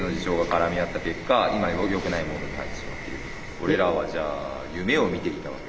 俺らはじゃあ夢をみていたわけか。